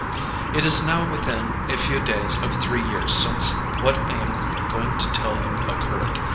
"It is now within a few days of three years since what I am going to tell you occurred.